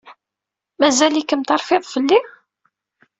Mazal-ikem terfiḍ fell-i?